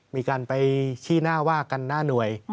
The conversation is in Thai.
มีการไปชี้หน้าว่ากันหน้าหน่วย